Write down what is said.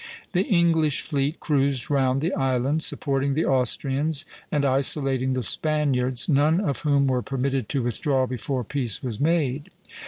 The English fleet cruised round the island, supporting the Austrians and isolating the Spaniards, none of whom were permitted to withdraw before peace was made.